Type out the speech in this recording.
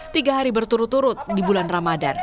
tiga hari berturut turut di bulan ramadan